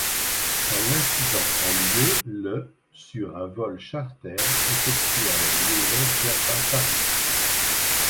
Un incident a lieu le sur un vol charter effectuant la liaison Djerba-Paris.